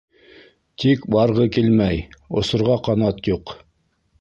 Тик барғы килмәй, осорға ҡанат юҡ.